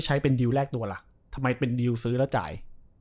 ใช้เป็นดิวแรกตัวล่ะทำไมเป็นดิวซื้อแล้วจ่าย